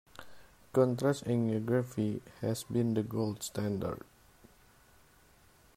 Contrast angiography has been the gold standard.